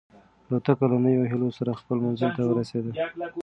الوتکه له نویو هیلو سره خپل منزل ته ورسېده.